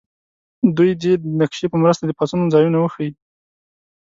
دوی دې د نقشې په مرسته د پاڅون ځایونه وښیي.